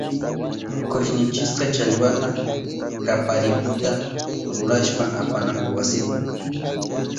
Kushnichishka challwata kapirihuta rurashka apananpa wasinma.